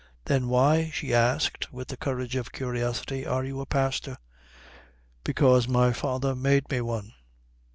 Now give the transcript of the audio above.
"Then why," she asked, with the courage of curiosity, "are you a pastor?" "Because my father made me one."